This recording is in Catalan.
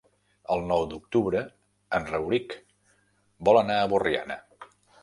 El nou d'octubre en Rauric vol anar a Borriana.